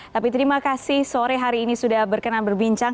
tapi terima kasih sore hari ini sudah berkenan berbincang